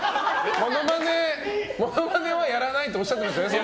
モノマネはやらないっておっしゃってましたよね。